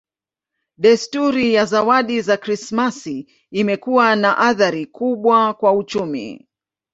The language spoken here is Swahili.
Desturi ya zawadi za Krismasi imekuwa na athari kubwa kwa uchumi.